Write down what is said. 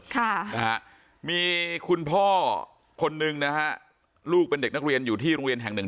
ค่ะนะฮะมีคุณพ่อคนหนึ่งนะฮะลูกเป็นเด็กนักเรียนอยู่ที่โรงเรียนแห่งหนึ่ง